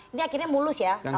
ini akhirnya mulus ya